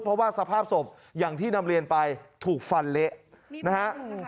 เพราะว่าสภาพศพอย่างที่นำเรียนไปถูกฟันเละนะฮะ